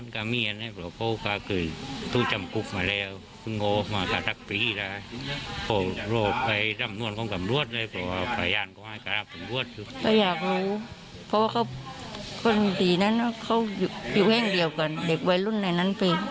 ก็อยากรู้เพราะว่าคนดีนั้นเขาอยู่แห้งเดียวกันเด็กวัยรุ่นในนั้นเป็น